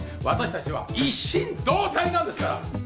私たちは一心同体なんですから。